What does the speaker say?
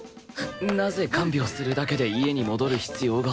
なぜ看病するだけで家に戻る必要が？